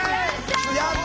やった！